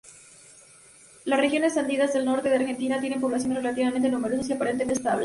Las regiones andinas del norte de Argentina tienen poblaciones relativamente numerosas y aparentemente estables.